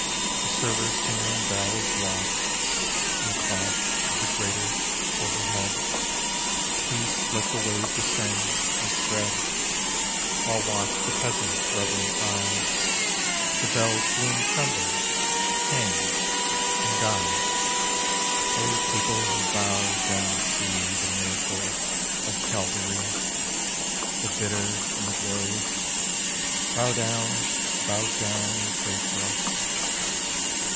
The server's tingling bell is lost In clash of the greater overhead. Peace like a wave descends, is spread, While watch the peasants' reverent eyes.... The bell's boom trembles, hangs, and dies. O people who bow down to see The Miracle of Calvary, The bitter and the glorious, Bow down, bow down and pray for us.